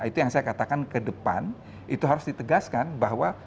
itu yang saya katakan ke depan itu harus ditegaskan bahwa